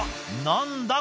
何だ？